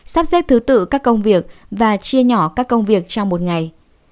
sắp xếp thứ tự các công việc và chia nhỏ các công việc trong một ngày